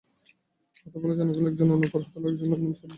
কথা বলে জানা গেল, একজনের নাম ফরহাদ ঢালী, আরেক জনের নাম সাব্বির।